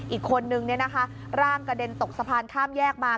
อีกคนนึงเนี่ยนะคะร่างกระเด็นตกสะพานข้ามแยกมา